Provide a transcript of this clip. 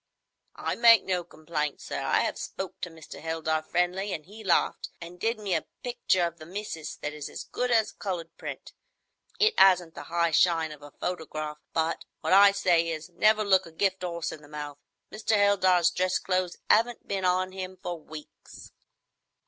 "I make no complaints, sir. I have spoke to Mr. Heldar friendly, an' he laughed, an' did me a picture of the missis that is as good as a coloured print. It 'asn't the 'igh shine of a photograph, but what I say is, 'Never look a gift horse in the mouth.' Mr. Heldar's dress clothes 'aven't been on him for weeks."